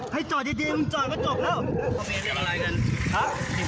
ให้จอดดีดีมึงจอดก็จบแล้วเขาเพียงเรียกอะไรกันฮะ